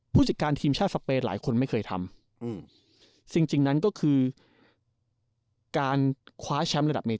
ผู้จัดการทีมชาติสเปนหลายคนไม่เคยทำสิ่งจริงนั้นก็คือการคว้าแชมป์ระดับเมฆ